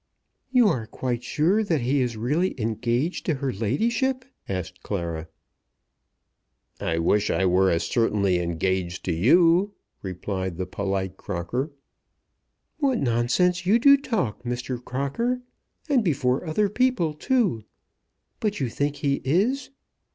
"You are quite sure that he is really engaged to her ladyship?" asked Clara. "I wish I were as certainly engaged to you," replied the polite Crocker. "What nonsense you do talk, Mr. Crocker; and before other people too. But you think he is?"